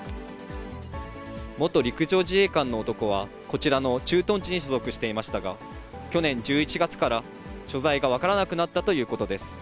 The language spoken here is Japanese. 元陸上自衛官の男は、こちらの駐屯地に所属していましたが、去年１１月から所在が分からなくなったということです。